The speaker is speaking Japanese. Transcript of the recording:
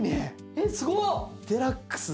えっすごっ！